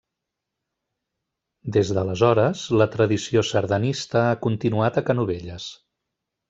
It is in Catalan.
Des d'aleshores, la tradició sardanista ha continuat a Canovelles.